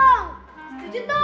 gak usah nangis dong